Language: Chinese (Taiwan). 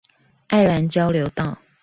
愛蘭交流道